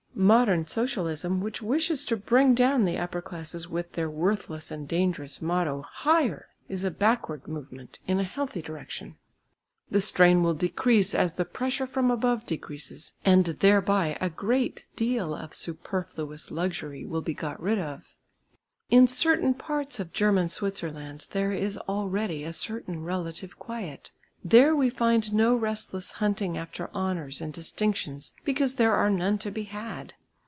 Modern Socialism which wishes to bring down the upper classes with their worthless and dangerous motto "Higher!" is a backward movement in a healthy direction. The strain will decrease as the pressure from above decreases, and thereby a great deal of superfluous luxury will be got rid of. In certain parts of German Switzerland there is already a certain relative quiet. There we find no restless hunting after honours and distinctions because there are none to be had.